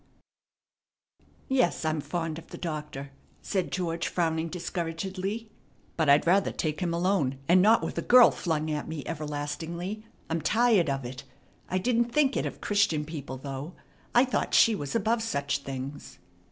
"Yes, I'm fond of the doctor," said George, frowning discouragedly; "but I'd rather take him alone, and not with a girl flung at me everlastingly. I'm tired of it. I didn't think it of Christian people, though; I thought she was above such things."